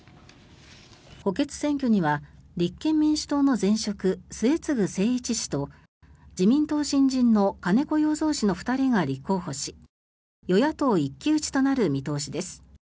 補欠選挙には立憲民主党の前職末次精一氏と自民党新人の金子容三氏の２人が立候補し与野党一騎打ちとなる見通しです。